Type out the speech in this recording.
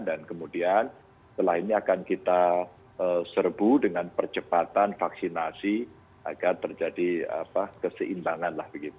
dan kemudian setelah ini akan kita serbu dengan percepatan vaksinasi agar terjadi keseimbangan